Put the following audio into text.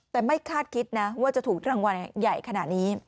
แต่ไม่คาดคิดนะว่าจะถูกรางวัลใหญ่ขนาดนี้